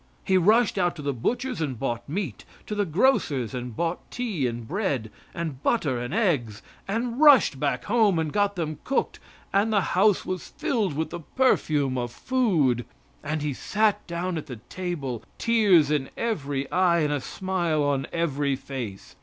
He rushed out to the butcher's and bought meat, to the grocer's and bought tea and bread, and butter and eggs, and rushed back home and got them cooked, and the house was filled with the perfume of food; and he sat down at the table, tears in every eye and a smile on every face.